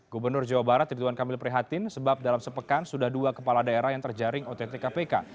gubernur jawa barat ridwan kamil prihatin sebab dalam sepekan sudah dua kepala daerah yang terjaring ott kpk